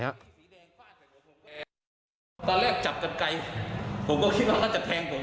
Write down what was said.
ตอนแรกจับกันไกลผมก็คิดว่าเขาจะแทงผม